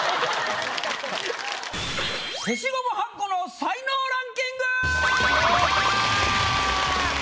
消しゴムはんこの才能ランキング！